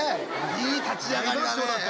いい立ち上がりだね。